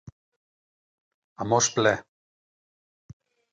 A mos ple.